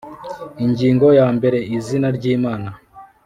Ingingo ya mbere Izinam ryimana